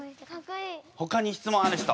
ほかに質問ある人？